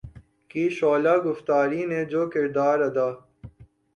کی شعلہ گفتاری نے جو کردار ادا